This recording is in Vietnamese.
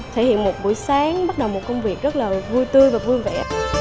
thể hiện một buổi sáng bắt đầu một công việc rất là vui tươi và vui vẻ